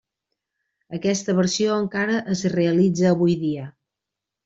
Aquesta versió encara es realitza avui dia.